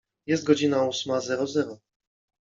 Jest godzina ósma zero zero.